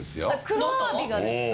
黒アワビがですか？